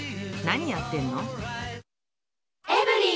何やってんの？